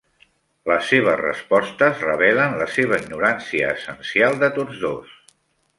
Les seves respostes revelen la seva ignorància essencial de tots dos.